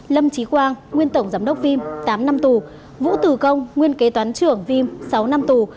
lâm trí quang nguyên tổng giám đốc vim tám năm tù vũ từ công nguyên kế toán trưởng vim sáu năm tù